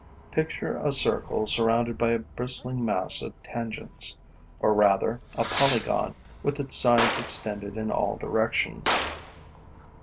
Picture a circle surrounded by a bristling mass of tangents, or rather a polygon with its sides extended in all directions.